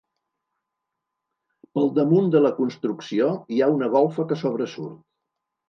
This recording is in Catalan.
Pel damunt de la construcció hi ha una golfa que sobresurt.